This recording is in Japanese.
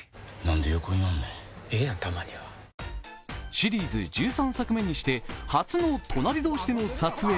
シリーズ１３作目にして初の隣同士での撮影。